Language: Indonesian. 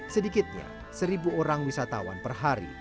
sedikitnya seribu orang wisatawan per hari